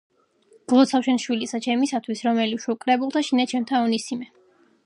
გლოცავ შენ შვილისა ჩემისათვს, რომელი ვშევ კრულებათა შინა ჩემთა ონისიმე.